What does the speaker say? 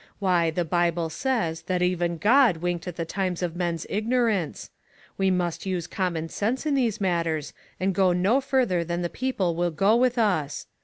Wh} , the Bible says that even Ggd winked at the times of men's 314 ONE COMMONPLACE DAY. ignorance. We must use common sense in these matters, and go no farther than the people will go with us.